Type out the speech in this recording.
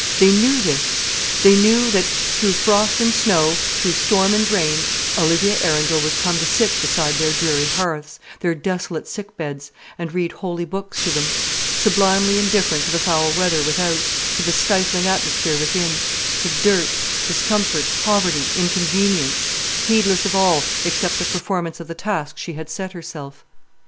They knew this. They knew that, through frost and snow, through storm and rain, Olivia Arundel would come to sit beside their dreary hearths, their desolate sick beds, and read holy books to them; sublimely indifferent to the foul weather without, to the stifling atmosphere within, to dirt, discomfort, poverty, inconvenience; heedless of all, except the performance of the task she had set herself.